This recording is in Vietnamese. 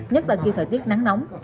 nhất là khi thời tiết nắng nóng